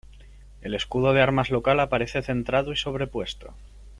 El escudo de armas local aparece centrado y sobrepuesto.